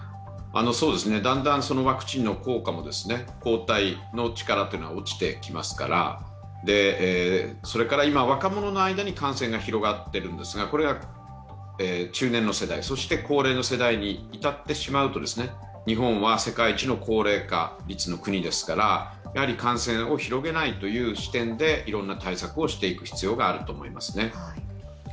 だんだんワクチンの効果も抗体の力は落ちてきますから、それから今、若者の間に、感染が広がっているんですがこれが中年の世代、高齢の世代にいたってしまうと日本は世界一の高齢化率の国ですから感染を広げないという視点でいろんな対策をしていく必要があると思いますね。